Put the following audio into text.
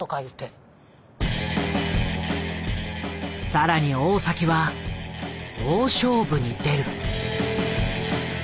更に大は大勝負に出る。